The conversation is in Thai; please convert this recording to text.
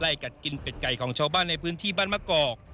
กัดกินเป็ดไก่ของชาวบ้านในพื้นที่บ้านมะกอก